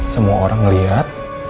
semua orang ngeliat